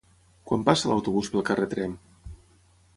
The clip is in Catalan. Quan passa l'autobús pel carrer Tremp?